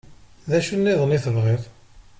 D acu-nniḍen i tebɣiḍ?